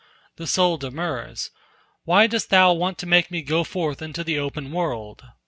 The soul demurs, "Why dost thou want to make me go forth into the open world?"